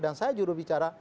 dan saya juru bicara